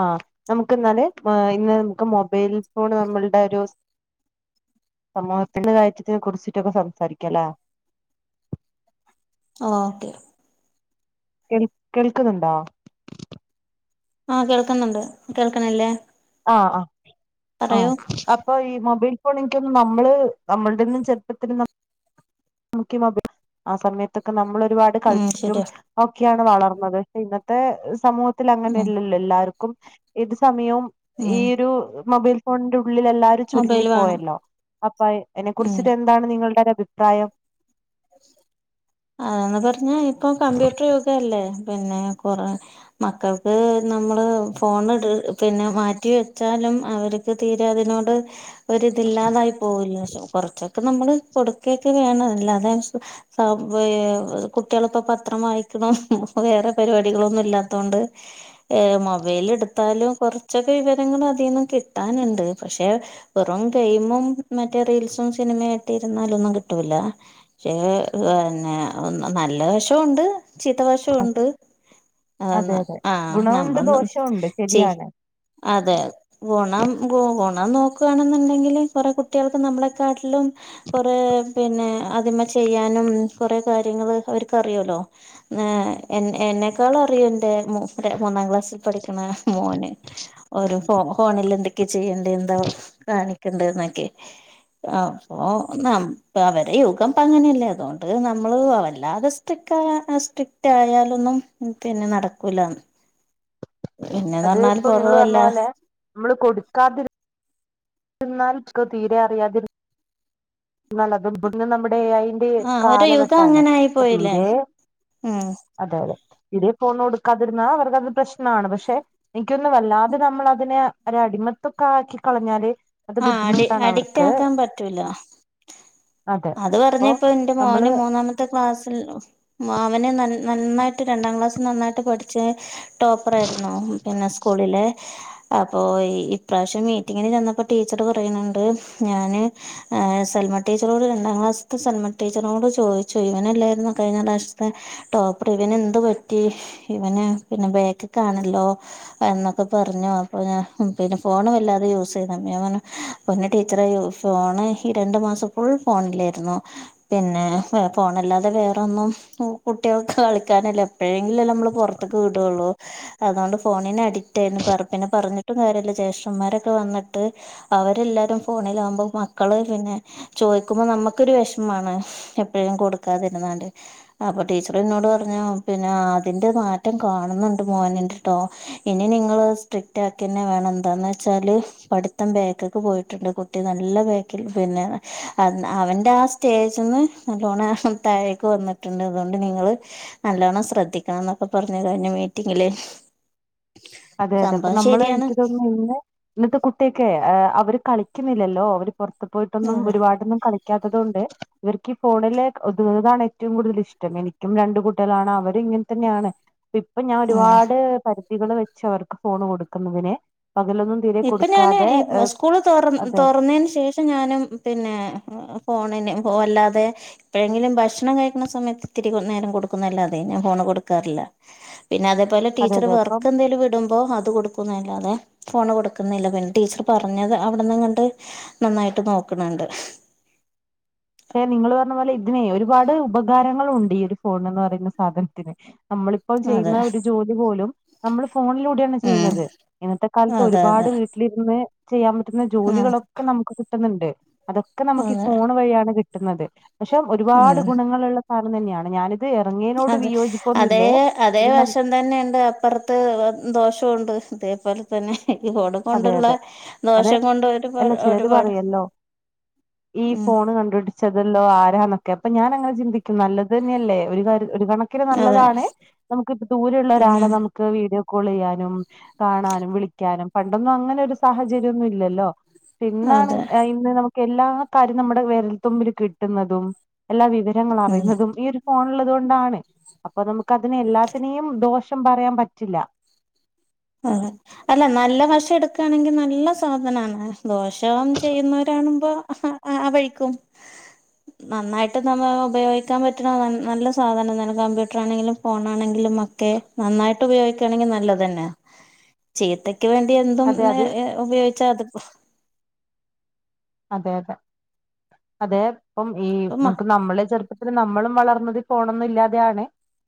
ആഹ് നമുക്ക് എന്നാല് ആഹ് ഇന്ന് നമുക്ക് മൊബൈൽ ഫോൺ നമ്മളുടെ ഒരു സമൂഹത്തിന്റെ [unintelligible] കുറിച്ചിട്ടൊക്കെ സംസാരിക്കാല്ലേ? ആഹ് ഓക്കെ. കേൾ കേൾക്കുന്നുണ്ടോ? ആഹ് കേൾക്കുന്നുണ്ട് കേൾക്കണില്ലേ? ആഹ് ആഹ് പറയൂ ആഹ് അ പ്പോ ഈ മൊബൈൽ ഫോണ് എനിക്ക് തോന്നുന്നു നമ്മള് നമ്മൾടെ ഒന്നും ചെറുപ്പത്തില് [unintelligible] നമുക്കീ മൊബൈൽ ആ സമയത്തൊക്കെ നമ്മൾ ഒരുപാട് ഉം കളിച്ചിട്ടും ശരിയാ ഒക്കെയാണ് വളർന്നത് ഇന്നത്തെ സമൂഹത്തിൽ ഉം അങ്ങനെയല്ലല്ലോ എല്ലാർ ക്കും ഏത് സമയവും ഈ ഉം ഒരു മൊബൈൽ ഫോണിൻ്റെ ഉള്ളില് എല്ലാർക്കും മൊബൈല് വേണം ചുരുങ്ങിപ്പോയല്ലോ അപ്പ അയിനെ ഉം കുറിച്ചിട്ട് എന്താണ് നിങ്ങളുടെ ഒരഭിപ്രായം? [unintelligible] പറഞ്ഞാ ഇപ്പോ കമ്പ്യൂട്ടർ യുഗം അല്ലേ പിന്നെ കൊറ മക്കൾക്ക് നമ്മള് ഫോൺ പിന്നെ മാറ്റി വെച്ചാലും അവർ തീരെ അതിനോട് ഒരിതില്ലാതായി പോകില്ലേ കൊറച്ചൊക്കെ നമ്മള് കൊടുക്കയൊക്കെ വേണം അല്ലാതെ സ ഏഹ് കുട്ടികളപ്പോ പത്രം വായിക്കണം വേറെ പരിപാടികളൊന്നും ഇല്ലാത്തോണ്ട് ഏഹ് മൊബൈല് എടുത്താലും കുറച്ചൊക്കെ വിവരങ്ങൾ അതീന്നും കിട്ടാനുണ്ട് പക്ഷേ വെറും ഗെയിമും മറ്റേ റീൽസും സിനിമയും ആയിട്ട് ഇരുന്നാലൊന്നും കിട്ടൂലാ. ക്ഷേ പിന്നെ ന നല്ല വശമുണ്ട് ചീത്ത വശവുമുണ്ട് അതെ ആഹ് അതെ ആഹ് ഗുണമുണ്ട് നമ്മളും ദോഷമുണ്ട് ചെ ശരിയാണ് അതെ. ഗുണം ഗുണം നോക്കുകയാണെന്നുണ്ടെങ്കില് കൊറേ കുട്ടികൾക്ക് നമ്മളെക്കാട്ടിലും കൊറേ പിന്നെ അതിമേ ചെയ്യാനും കൊറേ കാര്യങ്ങള് അവർക്കറിയൂല്ലോ? ഏഹ് എന്നെ എന്നെക്കാളറിയും എന്റെ മൂന്നാം ക്ലാസ്സിൽ പഠിക്കണ മോന്. ഓരോ ഫോ ഫോണിൽ എന്തൊക്കെയാ ചെയ്യണ്ടേ എന്താ കാണിക്കണ്ടേ എന്നൊക്കെ. അപ്പോ ന അവരെ യുഗം. ഇപ്പ അങ്ങനെയല്ലേ അതുകൊണ്ട് നമ്മള് വല്ലാതെ സ്ട്രിക് സ്ട്രിക്ട് ആയാലൊന്നും പിന്നെ നടക്കൂലാന്ന് പിന്നേന്ന് അത് ഇപ്പൊ നിങ്ങൾ പറഞ്ഞ പറഞ്ഞാല് പോലെ [unintelligible] നമ്മള് കൊടുക്കാതി രുന്നാൽ [unintelligible] തീരെ അറിയാതി [unintelligible] നമ്മുടെ അയിന്റെ ആഹ് ഒരു യുഗം കാലഘട്ടാണ് അങ്ങനെ ആയി അപ്പോ പോയില്ലേ തീരെ ഉം അതെ അതെ തീരെ ഫോണ് കൊടുക്കാതിരുന്നാ അവർക്കത് പ്രശ്നാണ് പക്ഷേ എൻക്യന്നും വല്ലാതെ നമ്മളതിനെ ര ടിമത്തൊക്കാക്കി കളഞ്ഞാല് അത് ബുദ്ധിമുട്ടാണവർക്ക് പറ്റൂലാ അത് അപ്പൊ പറ്ഞ്ഞ്പ്പം ൻ്റെ മോൻ നമ്മള് മൂന്നാമ ത്തെ ക്ലാസ്ൽലോ മാമന് ന്നന്നാ നന്നായിട്ട് രണ്ടാം ക്ലാസ്സ് നന്നായിട്ട് പഠ്ച്ചേ ടോപ്പറയ്ര്ന്നു പിന്നെ സ്കൂളിലെ അപ്പോ ഈ ഇപ്രാവ്ശ്യം മീറ്റിങ്ങിന് ചെന്നപ്പോ ടീച്ചർ പറയ്ണ് ണ്ട് ഞാന് ആഹ് സെൽമ ടീച്ചറോട് രണ്ടാം ക്ലാസ്ത്തെ സെൽമ ടീച്ചറോട് ചോയ്ച്ച് ഇവനെല്ലായ്ര്ന്നോ കഴ്ഞ്ഞ പ്രാശ്ത്തെ ടോപ്പർ ഇവനെന്ത് പറ്റി ഇവന് പിന്നെ ബേക്ക്ക്കാണല്ലോ എന്നൊക്കെ പറഞ്ഞു അപ്പൊ ഞാ പിന്നെ ഫോണ് വെല്ലാതെ യൂസെ [unintelligible] പൊന്നു ടീച്ചറേ ഇ ഫോൺ ഈ രണ്ട് മാസം ഫുൾ ഫോണിലേര്ന്നു പിന്നെ എ ഫോണെല്ലാതെ വേറൊന്നും ഉം കുട്ട്യേൾക്ക് കളിക്കാനല്ലേ എപ്പോഴെങ്കിലൊല്ലേ നമ്മള് പൊറ്ത്ത്ക്ക് വിടൊള്ളു അതോണ്ട് ഫോണിനഡിറ്റാര്ന്നു പർ പിന്നെ പറ്ഞ്ഞ്ട്ടും കാര്യല്ല ജേഷ്ഠന്മാരൊക്കെ വന്ന് ട്ട് അവരെല്ലാരും ഫോണിലാമ്പം മക്കള് പിന്നെ ചോയ്ക്കുമ്പം നമ്മക്കൊര് വെഷ്മാണ് എപ്പെഴും കൊടുക്കാതിരുന്നാണ്ട് അപ്പം ടീച്ചറ്ന്നോട് പർഞ്ഞു പിന്നെ ആഹ് അതിന്റെ മാറ്റം കാണ്ന്നുണ്ട് മോന്ണ്ട്ട്ടോ ഇനി നിങ്ങള് സ്ട്രിക്റ്റാക്കെന്നെ വേണം ന്താന്ന് വെച്ചാല് പഠിത്തം ബേക്ക്ക്ക് പോയിട്ട്ണ്ട് കുട്ടി നല്ല ബേക്കിൽ പിന്നെ അന്ന് അവന്റെ ആഹ് സ്റ്റേജിന്ന് നല്ലോണം താഴേക്ക് വന്നിട്ടുണ്ട് അതോണ്ട് നിങ്ങള് നല്ലോണം ശ്രെദ്ധിക്കണംന്നൊക്കെ പറഞ്ഞ് കഴിഞ്ഞ മീറ്റിങ്ങില് അതെ അതെ അപ്പം സംഭവം നമ്മള് ശരിയാണ് എനിക്ക് തോനുന്നു ഇന്ന് ഇന്നത്തെ കുട്ട്യേക്കെ അ അവര് കളിക്ക്ന്നില്ലല്ലോ അവര് പൊറ്ത്ത് പോയ്ട്ടൊന്നും അതെ ഒരുപാടൊന്നും കളി ക്ക്യാത്തതോണ്ട് ഇവർക്കീ ഫോണില് ഒത്ങ്ങ്ന്നതാണ് ഏറ്റവും കൂടുതൽ ഇഷ്ട്ടം എനിക്കും രണ്ട് കുട്ട്യാളാണ് അവെരിങ്ങൻ ത്തെന്നാണ് ഇപ്പം ഞാന് ഉം ഒരുപാട് പരിധികൾ വെച്ച് അവർക്ക് ഫോൺ കൊടുക്കുന്നതിന് പകലൊന്നും തീരെ ഇപ്പം ഞാന് കൊടുക്കാതെ ഈ സ്കൂൾ തൊർ അതെ തൊറന്നേന് ശേഷ് ഷം ഞാനും പിന്നെ ഫോണിന് വല്ലാതെ എപ്പെഴെങ്കിലും ഭക്ഷണം കഴിക്കണ സമയത്ത് ഇത്തിരി കൊ നേരം കൊടുക്കുന്നെല്ലാതെ ഞാൻ ഫോൺ കൊടുക്കാറില്ല പിന്നെ അതേപോലെ അതെ ടീച്ചർ അതെ അപ്പൊ വർക്കെന്തേലും വിടുമ്പോ അത് കൊടുക്കുന്നല്ലാതെ ഫോണ് കൊടുക്കുന്നില്ല പിന്നെ ടീച്ചറ് പറഞ്ഞത് അവ്ട്ന്നെങ്ങാണ്ട് നന്നായിട്ട് നോക്ക്ണണ്ട് ക്ഷെ നിങ്ങള് പറഞ്ഞ പോലെ ഇതിനേ ഒരുപാട് ഉപകാരങ്ങളുണ്ട് ഈ ഒരു ഫോണ്ന്ന് പറയുന്ന സാധനത്തിന് നമ്മളിപ് പ്പോൾ അതെ ചെയ്യ്ന്ന ഒര് ജോലി പോലും നമ്മൾ ഫോണിലൂടെയാണ് ഉം ചെയ്യ്ന്നത് ഇന്നത്തെ കാലത്ത് അതെ ഒരുപാട് അതെ വീട് ലിര്ന്ന് ചെയ്യാൻ പറ്റുന്ന ആ ജോലികളൊക്കെ നമുക്ക് കിട്ട്ന്ന്ണ്ട് അതൊക്കെ നമ്മക്ക് ഈ അതെ ഫോണ് വഴിയാണ് കിട്ട്ന്നത് പക്ഷെ ഒരുപാട് ഉം ഗുണങ്ങളുള്ള സാനം തന്നെയാണ് ഞാന് ത് എറങ്ങ്യേനോട് അതെ അതേ വിയോജിപ്പൊന്നൂല്ലേ അതേ ഇത് നമ് വശം തന്നെയുണ്ട് അപ്പറത്ത് ദോഷോണ്ട് ഇതേപോലെ തന്നെ ഈ ഫോണ് അതെ കൊണ്ട്ള്ള അതെ അതെ ദോഷം കൊണ്ട് അല്ല ഒരുപാട് ചിലര് ഒരുപാട് പറയല്ലോ ഈ ഉം ഫോണ് കണ്ട് പിടി ച്ചതല്ലോ ആരാന്നൊക്കെ അപ്പം ഞാനങ്ങനെ ചിന്തിക്കും നല്ലതെന്നെല്ലേ ഒരു കാര്യ ഒരു കണ ക്കിന് അതെ നല്ലതാണ് നമുക്ക് ദൂരയുള്ള പിന്നെ ഒരാളെ നമുക്ക് ക്ക് വീഡിയോ കോള് ചെയ്യാനും കാണാനും വിളിക്കാനും പണ്ടൊന്നും അങ്ങനെ ഒരു സാഹചര്യൊന്നും ഇല്ലല്ലോ ഇപ്പം ഇന്നാണ് അതെ ഇന്ന് നമു ക്കെല്ലാ കാര്യം നമ്മുടെ വെരൽത്തുമ്പിൽ കിട്ടുന്നതും എല്ലാ വിവരങ്ങൾ ഉം അറിയുന്നതും ഈ ഒരു ഫോൺ ഇള്ളത് കൊണ്ടാണ് അപ്പൊ നമുക്ക് അതിനെ എല്ലാത്തിനെയും ദോഷം പറയാൻ പറ്റില്ല അതെ അല്ല നല്ല വശം എടുക്കാണെങ്കി നല്ല സാധനാണ് ദോഷം ചെയ്യുന്നവരാണുമ്പോ ആഹ് ആ വഴിക്കും നന്നായിട്ട് നമ്മ ഉപയോഗിക്കാൻ പറ്റണ നല്ല സാധനം തന്നെ കമ്പ്യൂട്ടർ ആണെങ്കിലും ഫോണാണെങ്കിലും ഒക്കെ നന്നായിട്ട് ഉപയോഗിക്കാണെങ്കി നല്ലതെന്നെയാ ചീത്തയ്ക്ക് വേണ്ടി എന്തും അതെ അത് [unintelligible] ഉപയോഗിച്ചാ അത് അതെ അതെ അതെ ഇപ്പം ഈ ഇപ്പ നമ്മക്ക് നമ്മളെ ചെറുപ്പ പിന്നെ നമ്മളും വളർന്നത് ഈ ഫോണൊന്നും ഇല്ലാതെയാണ്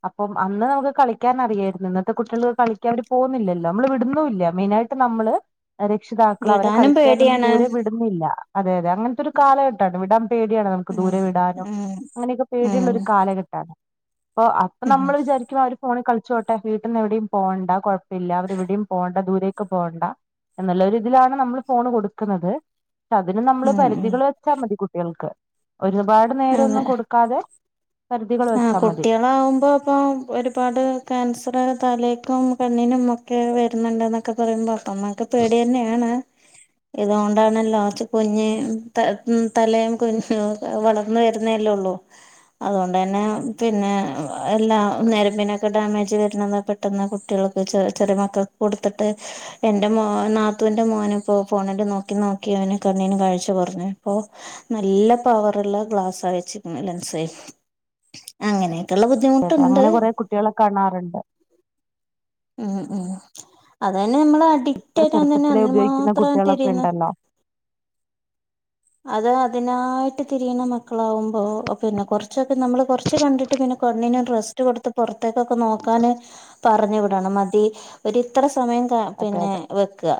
അപ്പം അന്ന് നമ്മക്ക് കളിക്കാൻ അറിയാരുന്നു ഇന്നത്തെ കുട്ട്യേൾക്ക് കളിക്കാൻ അവര് പോകുന്നില്ലല്ലോ നമ്മള് വിടുന്നൂല്ല മെയിനായി ട്ട് നമ്മള് രക്ഷിതാക്കള് അവരെ വിടാനും കളിക്കാനും പേടിയാണ് ദൂരെ വിട് വിടുന്നില്ല അതെ അതെ അങ്ങൻത്തൊരു കാലഘട്ടാണ് വിടാൻ പേടിയാണ് നമുക്ക് ഉം ദൂരെ വിടാനും ഉം അങ്ങനെയൊക്കെ ഉം പേടിയുള്ളൊരു കാലഘട്ടാണ്. പ്പൊ അപ്പൊ ഉം നമ്മള് വിചാരിക്കും അവര് ഫോണിൽ കളിച്ചോട്ടെ വീട്ടീന്ന് എവിടെയും പോണ്ട കൊഴ പ്പെല്ല അവര് എവിടെയും പോണ്ട ദൂരേക്ക് പോണ്ട എന്നുള്ള ഒരു ഇതിലാണ് നമ്മൾ ഫോണ് കൊടുക്കുന്നത് അതിന് നമ്മള് ഉം ഉം പരിധികൾ വെച്ചാമതി കുട്ടികൾക്ക് ഒരുപാട് അതെ നേരൊന്നും കൊടുക്കാതെ പരിധികൾ ആഹ് വെച്ചാൽ മതി കുട്ട്യാളാവുമ്പം ഇപ്പം ഒരുപാട് ക്യാൻസറ് തലേക്കും കണ്ണിനും ഒക്കെ വെരുന്നുണ്ട്ന്നൊക്ക് ക്കെ പറയുമ്പോ അപ്പമ്മക്ക് പേടിയെന്നെയാണ് ഇതുകൊണ്ടാണല്ലോ കുഞ്ഞ് തല് തലയും കുഞ്ഞ് വളർന്ന് വരുന്നയല്ലേ ഒള്ളൂ അതുകൊണ്ട് ടാനും പിന്നെ എല്ലാ ഞരമ്പിനൊക്കെ ഡാമേജ് വര്ന്നത് പെട്ടെന്ന് കുട്ട്യേൾ [unintelligible] ചെറിയ മക്കൾക്ക് കൊടുത്തിട്ട് എന്റെ മോ നാത്തൂന്റെ മോന് ഇപ്പോ ഫോണില് നോക്കി നോക്കി അവന് കണ്ണിന് കാഴ്ച്ച കൊറഞ്ഞ് ഇപ്പൊ നല്ല പവറുള്ള ഗ്ലാസാ വെച്ചിക്ക്ണെ ലെൻസെ അങ്ങനെയൊക്കെയുള്ള ബു തെ അതെ അങ്ങനെ കൊറേ കുട്ടികളെ കാണാറുണ്ട് ഉം ഉം അത് തന്നെ നമ്മള് ഇത്ര അഡിക്റ്റായിട്ടന്നന്നെ ചെറുപ്പത്തിലേ ഉപയോഗിക്കുന്ന അതിനുമാത്രം കുട്ടികളൊക്കെ തെരയുന്നത് ഉണ്ടല്ലോ അത് അതിനായിട്ട് തിരിയുന്ന മക്കളാവുമ്പോ പിന്നെ കൊറച്ചൊക്കെ നമ്മള് കൊറ ച്ച് കണ്ടിട്ട് പിന്നെ കണ്ണിന് റസ്റ്റ്കൊടുത്ത് പുറത്തേക്കൊക്കെ നോക്കാന് പറഞ്ഞ് വിടണം മതി ഒര് ഇത്രസമയം കാ അതെ പിന്നെ അതെ വെക്കുക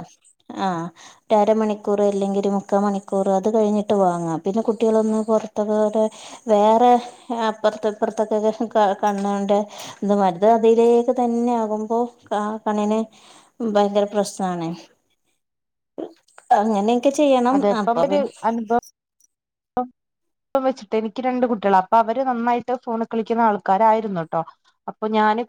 ആഹ് ഒരു അരമണിക്കൂർ അല്ലെങ്കില് മുക്കാമണിക്കൂറ് അത് കഴിഞ്ഞിട്ട് വാങ്ങാം പിന്നെ കുട്ടികളൊന്ന് പുറത്തൊക്കൊ- വേറെ അപ്പൊറത്തു ഇപ്പറത്തൊക്കെ കണ്ണുകൊണ്ട് - ഇത് മറ്റെത് അതിലേക്ക് തന്നെ ആകുമ്പോ ആ കണ്ണിന് - ഭയങ്കര പ്രശ്നാണ് അങ്ങനെ- അതെ ഇപ്പ നമക്കൊരു അനുഭവം- ഇപ്പം വെച്ചിട്ട് എനിക്ക് രണ്ട് കുട്ടിളാ അപ്പൊ അവര് നന്നായിട്ട് ഫോണികളിക്കുന്ന ആൾക്കാരായിരുന്നുട്ടോ അപ്പൊ ഞാന്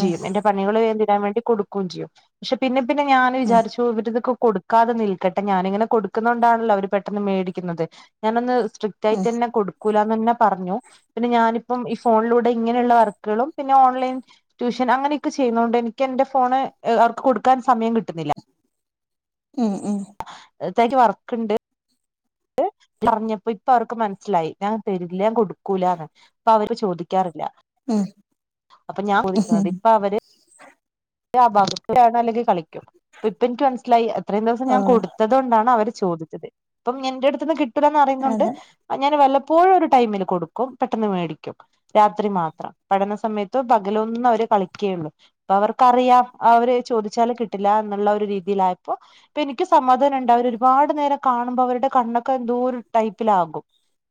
ഉം എന്റെ പണികള് വേഗം തീരാൻവേണ്ടി കൊടുക്കുംചെയ്യും പക്ഷെ പിന്നെ പിന്നെ ഞാന് ഉം വിചാരിച്ചു- തോ ഇവരിതക്ക് കൊടുക്കാതെ നിൽക്കട്ടെ ഞാനിങ്ങനെ കൊടുക്കുന്നോണ്ടാണല്ലോ അവര് പെട്ടെന്ന് മേടിക്കുന്നത് ഞാനൊന്ന് സ്ട്രിക്റ്റ് ഉം ആയിട്ടന്നെകൊടു കൊട്ക്കൂലാന് തന്നെ പറഞ്ഞു പിന്നെ ഞാനിപ്പം ഈ ഫോണിലൂടെ ഇങ്ങനെയുള്ള വർക്കുകളും പിന്നെ ഓൺലൈൻ- ട്യൂഷൻ അങ്ങനെയൊക്കെ ചെയ്യുന്നോണ്ട് എനിക്ക് എന്റെ ഫോണ് അവർക്ക് കൊടുക്കാൻ സമയം കിട്ടുന്നില്ല. ഉം ഉം തായിറ്റ് വർക്ക്ണ്ട് പറഞ്ഞപ്പോ ഇപ്പ അവർക്ക് മനസ്സിലായി ഞാൻ തരില്ല ഞാൻ കൊടുക്കുലാന്ന് ഇപ്പൊ അവര് ചോദിക്കാറില്ല ഉം അപ്പൊ ഞാൻ ചോദിക്കുന്നത് ഉം ഇപ്പൊ അവര് ആ ഭാഗത്ത്‌ അല്ലെങ്കിൽ കളി ക്കും ഇപ്പ എനിക്ക് മനസ്സിലായി അത്രയും ദെവസം ഓ ഞാൻ കൊട് കിട്ടാത്തോണ്ടാണ് അവര് ചോദിച്ചത് അപ്പം എന്റെ അടുത്ത്ന്ന് കിട്ടൂലന്നറിയുന്നതുകൊണ്ട് അതെ - ഞാൻ വല്ലപ്പോഴും ഒരു ടൈമില് കൊടുക്കും പെട്ടെന്ന് മേടിക്കും രാത്രി മാത്രം പഠന സമയത്തോ പകലൊന്നും അവര് കളിക്കെയുള്ളൂ അപ്പ അവർക്കറിയാം അവര് ചോദിച്ചാല് കിട്ടില്ലയെന്നുള്ള ഒരു രീതിയിലായപ്പോ ഇപ്പൊ എനിക്ക് സമാധാനമുണ്ട് അവര് ഒരുപാട് നേരം കാണുമ്പോ അവരുടെ കണ്ണൊക്കെ എന്തോ ഒരു ടൈപ്പിലാകും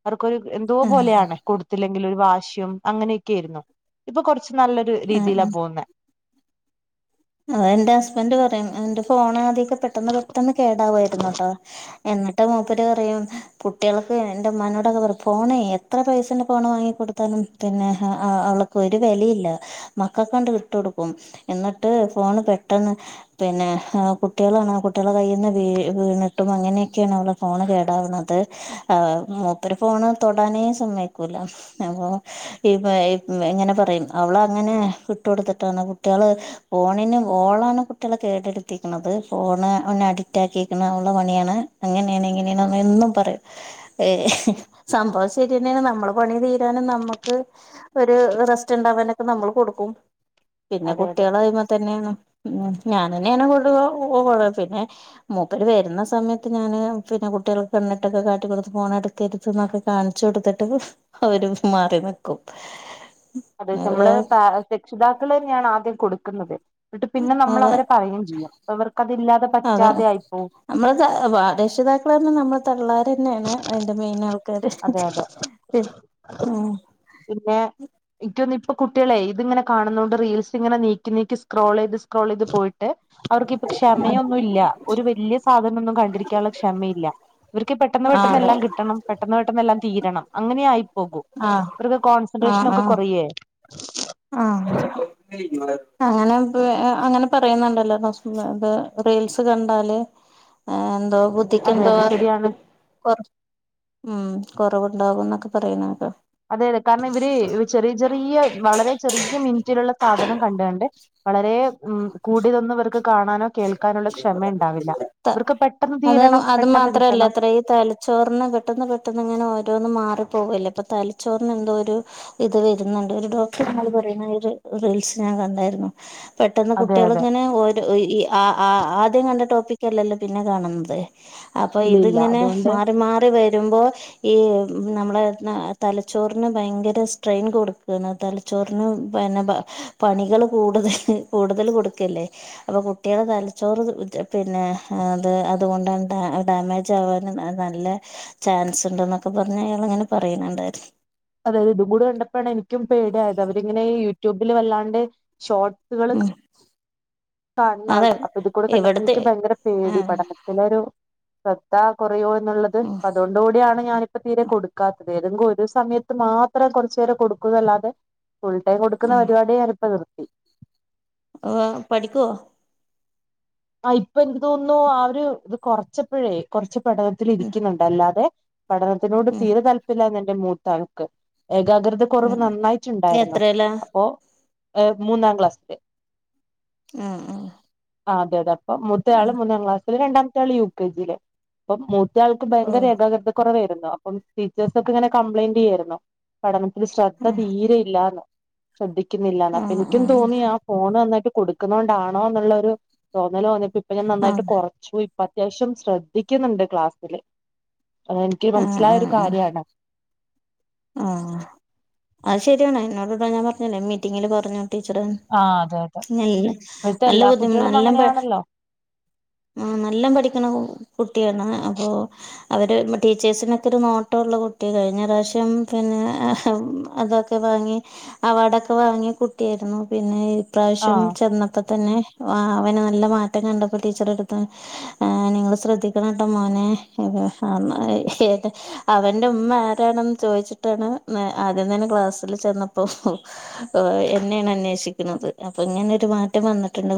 അവർക്കൊരു എന്തോ ആഹ് പോലെയാണ് കൊടുത്തില്ലെങ്കില് ഒരു വാശിയും അങ്ങനെക്കെയിരുന്നു ഇപ്പൊ കൊറച്ച് നല്ലൊരു ആഹ് രീതിയിലാ പോവുന്നേ ആ എന്റെ ഹസ്ബൻറ് പറയും എന്റെ ഫോണ് ആദ്യക്കെ പെട്ടെന്ന് പെട്ടെന്ന് കേടാവായിരുന്ന്ട്ടോ എന്നിട്ടാ മൂപ്പര് പറയും- കുട്ടികൾക്ക് എന്റെ ഉമ്മാനോട് അത് പറയും ഫോണേ എത്ര പൈസന്റെ ഫോണ് വാങ്ങി കൊടുത്താലും- പിന്നെ ആഹ് ആ അവൾക്ക് ഒരു വെലില്ല മകക്കാണ്ട് വിട്ട് കൊടുക്കും എന്ന്- എന്നിട്ട് ഫോണ് പെട്ടെന്ന്- പിന്നെ കുട്ടികളാണ് കുട്ടികളുടെ കൈയിൽ നിന്ന് വീ വീണിട്ടും അങ്ങനെക്കെയാണ് നമ്മടെ ഫോണ് കേടാവുന്നത് ആ മൂപ്പര് ഫോണ് തൊടാനേ സമ്മയ്ക്കൂല അപ്പൊ- ഇങ്ങനെ പറയും അവള് അങ്ങനെ വിട്ട്കൊടുത്തിട്ടാണ് കുട്ടികള്- ഫോണിന് ഓളാണ് കുട്ടികളെ ഏറ്റെടുത്തേക്കാണത് ഫോണ് അഡിറ്റാക്കിയേക്കണേ ഓളെ പണിയാണ് അങ്ങനെയാണ് ഇങ്ങനെയാണ് എന്നും പറയും ഏ സംഭവം ശരിയെന്നെയാണ് നമ്മളെ പണി തീരാനും നമ്മക്ക്- ക്ക് ഒര് റെസ്റ്റ് ഇണ്ടാവാനെക്കെ നമ്മള് കൊടുക്കും പിന്നെ അതെ അതെ കുട്ടികള് അയ്മ തന്നെണ് ഉം ഞാൻ തന്നെയാണ് ഫുള്ള് കൊടുകൊ പിന്നെ- മൂപ്പര് വരുന്ന സമയത്ത് ഞാന് പിന്നെ കുട്ടികൾക്ക് എണ്ണ [unintelligible] ട്ടൊക്കെ കാട്ടി കൊടുത്ത് ഫോണടു ക്കരുത്ത് [unintelligible] ന്നൊക്കെ കാണിച്ചു കൊടുത്തിട്ട് അവര് മാറി നിക്കും അത് അവര് നമ്മള് പാ രക്ഷിതാക്കളന്നെയാണ് ആദ്യം കൊടുക്കുന്നത് എന്നിട്ട് പിന്നെ നമ്മള് അതെ അവരെ പറയും ചെയ്യും അവർക്ക് യിതില്ലാതെ പറ്റാതായിപ്പോവും നമ്മളാ രക്ഷിതാക്കളാണ് നമ്മടെ തള്ളമാര് തന്നെയാണ് അതിന്റെ മെയിൻ ആള് അതെ അതെ ഉം പിന്നെ ഇനിക്കോന്ന് ഇപ്പൊ കുട്ട്യോളെ ഇത്ങ്ങനെ കാണുന്നേണ്ട് റീൽസ് ഇങ്ങനെ നീക്കി നീക്കി സ്ക്രോളയ്ത് സ്ക്രോളയ്ത് പോയി ട്ട് അവർക്ക്പ്പൊ ക്ഷമയൊന്നുല്ല ഒരു വല്ല്യ സാധനന്നും കണ്ടിരിക്കാനുള്ള ക്ഷമയില്ല ഇവര്ക്ക് പെട്ടെന്ന് ആഹ് പെട്ടന്ന് അതെ എല്ലാം കിട്ടണം പെട്ടെന്ന് പെട്ടെന്നല്ലാം തീരണം അങ്ങനായി പോകൂ ആഹ് ഇവര്ക്ക് ആഹ് കോൺസെൻട്രേഷനക്കെ ആഹ് കൊറയേ ആഹ് അങ്ങനെപ്പ അങ്ങനെ പറയുന്നുണ്ടല്ലോ റീൽസ് കണ്ടാല് ആഹ് ഏന്തേ അതെ ബുദ്ധിക്കെന്തേ അതെ ശരിയാണ് കൊറ് ഉം കൊറവുണ്ടാവുന്നൊക്കെ പറയുന്ന കേക്ക അതെ അതെ കാരണം ഇവര് ചെറിയ ചെറിയ വളരെ ചെറിയ മിനറ്റിലുള്ള സാധനം കണ്ടാണ്ട് വളരെ ഉം കൂടിയതൊന്നു ഇവർക്ക് കാണാനോ കേൾക്കാനുള്ള ക്ഷമണ്ടാവില്ല ഇവർക്ക് പെട്ടെന്ന് തീരണം പെട്ടെന്ന് കിട്ടണം [unintelligible] ചോറിന് പെട്ടെന്ന് പെട്ടെന്ന് ഇങ്ങനെ ഓരോന്നും മാറിപ്പോവല്ലേ ഇപ്പ തലച്ചോറിന് എന്തോ ഒരു ഇത് വരുന്നുണ്ട് ഒരു ഡോക്ടർ പറയുന്ന ഒരു റീൽസ് ഞാൻ കണ്ടായിരുന്നു പെട്ടെന്ന് അതെ അതെ കുട്ട്യോള്ങ്ങനെ ഓരോ ഈ ആഹ് ആഹ് ആഹ് ആദ്യം കണ്ട ടോപ്പിക്കല്ലല്ലോ പിന്നെ കാണുന്നത് അപ്പൊ ഇല്ല ഇല്ല ഇതിങ്ങനെ അതുകൊണ്ട് മാറി മാറി വരുമ്പോ ഈ നമ്മളെ തലച്ചോറിന് ഭയങ്കര സ്ട്രെയിൻ കൊട്ക്ക്ണ തല ച്ചോറിന് പിന്നെ പണികള് കൂടുതല് കൂടുതല് കൊടുക്കല്ലേ അപ്പൊ കുട്ട്യോളെ തലച്ചോറ് പിന്നെ അത് അതുകൊണ്ടാണ് ഡാ ഡാമേജ് ആവാന് നല്ല ചാൻസ്ണ്ട് എന്നൊക്കെ പറഞ്ഞ് അയാളങ്ങനെ പറയുന്നുണ്ടായിരുന്നു അതെ ഇതു കൂടെ കണ്ടപ്പോണ് എനിക്കും പേടിയായത് അവരിങ്ങനെ യൂട്യൂബിൽ വല്ലാണ്ട് ഷോട്സ് ഉം കാണുന്ന അതെ ആള് അപ്പൊ ഇത് കൂടെ കണ്ടപ്പോ ഇവിടുത്തെ എനിക്ക് ഭയങ്കര പേടി ആഹ് പഠനത്തിലൊരു ശ്രദ്ധ കൊറയോ ന്നുള്ളത് ഉം അതൊണ്ടുകൂടിയാണ് ഞാനിപ്പോ തീരെ കൊടുക്കാത്തത് ഏതങ്കു ഒരു സമയത്ത് മാത്രം കൊറച്ചേരം കൊടുക്കുന്നല്ലാതെ ഫുൾ ടൈം കൊടുന്ന ഉം പരിപാടിയെ ഞാൻ ഇപ്പ നിർത്തി [unintelligible] പഠിക്കോ ആഹ് ഇപ്പൊ എന്ത് തോന്നുന്നു അവര് ഇത് കൊറച്ചപ്പഴേ കൊറച്ച് പഠനത്തില് ഉം ഇരിക്കുന്നുണ്ട്ല്ലാതെ പഠനത്തിനോട് ഉം തീരെ താല്പര്യല എന്റെ മൂത്താണുക്ക് ഏകാഗ്രിത കുറവ് ഉം നന്നായിട്ടുണ്ടായിരുന്നു എത്രേലാ അപ്പോ മൂന്നാം ക്ലാസ്സില് ആഹ് ആഹ് ആഹ് അതെയതെ അപ്പൊ മുത്ത ആള് മൂന്നാം ക്ലാസ്സില് രണ്ടാമത്തെ ആള് യു കെ ജിയിലെ. അപ്പം മൂത്ത ആൾക്ക് ഓ ഭയങ്കര ഏകാഗ്രത കുറവായിരുന്നു അപ്പം ടീച്ചേഴ്സ ഒക്കെ ഇങ്ങനെ കംപ്ലൈന്റ് ചെയ്യായിരുന്നു പഠനത്തില് ശ്രദ്ധ ഉം തീരെ ഇല്ലന്ന് ശ്രദ്ധിക്കുന്നില്ലന്ന് അപ്പൊ ആഹ് എനിക്കും ആഹ് തോന്നിയാ ഫോണ് നന്നായിട്ട് കൊടുക്കുന്നണ്ടാണോ എന്നുള്ളരു തോന്നൽ തോന്നിയപ്പോ ഇപ്പൊ ഞാൻ നന്നായിട്ട് ആഹ് കുറ ശോ ഇപ്പ അത്യാവശ്യം ശ്രദ്ധിക്കുന്നുണ്ട് ക്ലാസ്സില് എനിക്ക് ആഹ് മനസ്സിലായൊ ഒരു ആഹ് കാര്യമാണ്. ആഹ് അത് ശരിയാണ് എന്നോടൂടെ ഞാൻ പറഞ്ഞല്ലേ മീറ്റിങ്ങിൽ പറഞ്ഞു ടീച്ചറെന്ന്. ആഹ് അതെ അതെ ല്ല ഇപ്പഴത്തെ നല്ല എല്ലാ ബുദ്ധിമുട്ട കുട്ടികളും നല്ലപ അങ്ങനെയാണല്ലോ ആഹ് നല്ല പഠിക്കണ കുട്ടിയാണ് അപ്പൊ അവര് ടീച്ചേഴ്സിനൊക്കെ ഒരു നോട്ട ഉള്ള കുട്ടി കഴിഞ്ഞ പ്രാവശ്യം ഉം പിന്നെ അതൊക്കെ വാങ്ങി അവാർഡൊക്കെ വാങ്ങിയ കുട്ടിയായിരുന്നു പിന്നെ ഇപ്രാവിശ്യം ആഹ് ചെന്നപ്പോ തന്നെ ആഹ് അവനെ നല്ല മാറ്റം കണ്ടപ്പോ ടീച്ചർ എടുത്ത നിങ്ങള് ശ്രദ്ധിക്കണംട്ടോ മോനെ ഏ അവന്റെ ഉമ്മ ആരാണെന്ന് ചോദിച്ചിട്ടാണ് ആദ്യം തന്നെ ക്ലാസ്സിൽ ചെന്നപ്പോ എന്നെയാണ് അന്വേഷിക്കുന്നത് അപ്പൊ ഇങ്ങനെ ഒരു മാറ്റം വന്നിട്ടുണ്ട്.